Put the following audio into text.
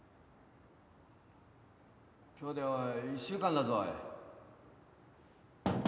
今日で１週間だぞおい。